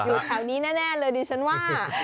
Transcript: อยู่แถวนี้แน่เลยดิฉันว่า